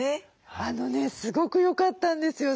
あのねすごくよかったんですよ。